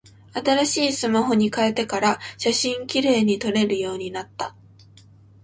新しいスマホに変えてから、写真綺麗に撮れるようになった。